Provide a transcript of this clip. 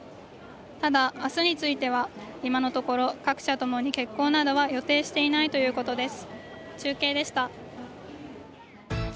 ただ、明日については今のところ各社ともに欠航などは予定していないということです。